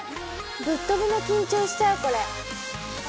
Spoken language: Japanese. ぶっとびの緊張しちゃうこれ。